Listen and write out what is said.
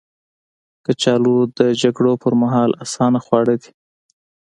کچالو د جګړو پر مهال اسانه خواړه دي